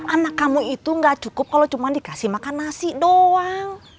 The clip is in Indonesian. anak kamu itu nggak cukup kalau cuma dikasih makan nasi doang